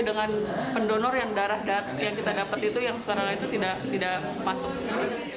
dan pendonor yang darah yang kita dapat itu yang sekarang itu tidak masuk